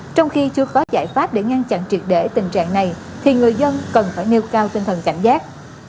trong khi chưa có giải pháp để ngăn chặn triệt để tình trạng này thì người dân cần phải nêu cao tinh thần cảnh giác